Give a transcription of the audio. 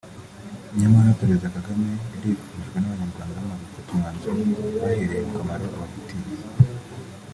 nyamara Perezida Kagame yarifujwe n’Abanyarwanda bamaze gufata umwanzuro bahereye ku kamaro abafitiye